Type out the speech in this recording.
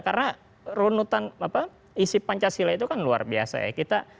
karena isi pancasila itu kan luar biasa ya